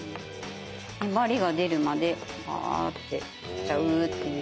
ねばりが出るまでバーッて切っちゃうっていう。